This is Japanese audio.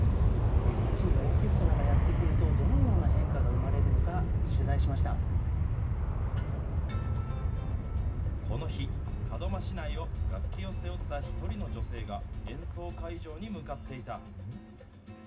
街にオーケストラがやって来ると、どのような変化が生まれるのか、この日、門真市内を楽器を背負った一人の女性が、演奏会場に向かっていた。